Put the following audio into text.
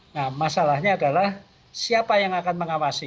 nah masalahnya adalah siapa yang akan mengawasi